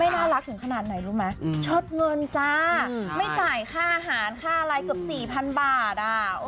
น่ารักถึงขนาดไหนรู้ไหมเชิดเงินจ้าไม่จ่ายค่าอาหารค่าอะไรเกือบ๔๐๐๐บาทอ่ะ